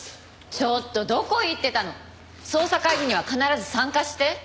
ちょっとどこ行ってたの？捜査会議には必ず参加して。